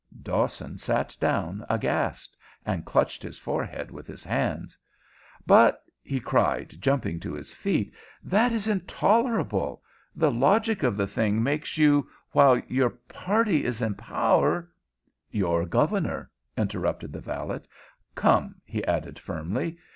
Dawson sat down aghast, and clutched his forehead with his hands. "But," he cried, jumping to his feet, "that is intolerable. The logic of the thing makes you, while your party is in power " "Your governor," interrupted the valet. "Come," he added, firmly.